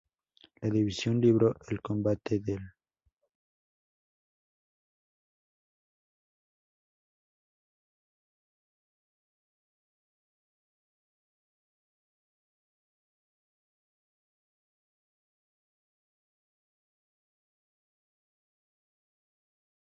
Por este motivo se convirtió en objetivo de un grupo terrorista racial.